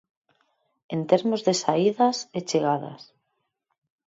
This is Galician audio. En termos de saídas e chegadas.